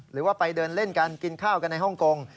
หรือว่าไปเดินเล่นกันกินข้าวกันในฮ่องกง